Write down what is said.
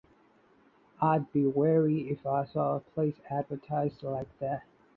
I’d be wary if I ever saw a place advertise like that.